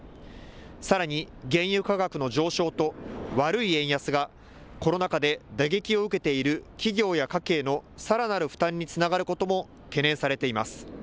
さらに原油価格の上昇と悪い円安がコロナ禍で打撃を受けている企業や家計のさらなる負担につながることも懸念されています。